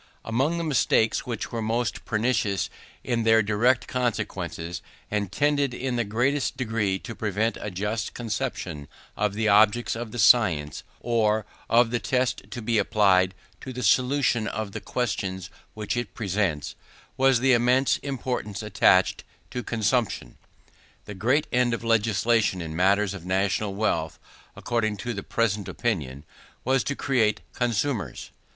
Among the mistakes which were most pernicious in their direct consequences, and tended in the greatest degree to prevent a just conception of the objects of the science, or of the test to be applied to the solution of the questions which it presents, was the immense importance attached to consumption. The great end of legislation in matters of national wealth, according to the prevalent opinion, was to create consumers.